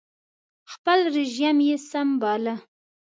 خپل رژیم یې سم باله